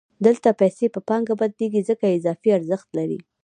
دلته پیسې په پانګه بدلېږي ځکه اضافي ارزښت لري